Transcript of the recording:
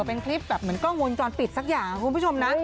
เป็นคลิปแบบเหมือนกล้องวงจรปิดสักอย่างคุณผู้ชมนะ